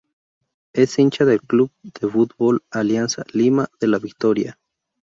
Es hincha del club de fútbol "Alianza Lima" de La Victoria.